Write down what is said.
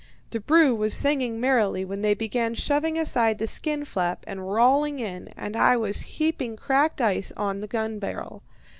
"The brew was singing merrily when they began shoving aside the skin flap and crawling in, and I was heaping cracked ice on the gun barrel.